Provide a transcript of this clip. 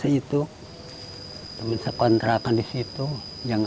temen seitu temen sekontrakan di situ yang ada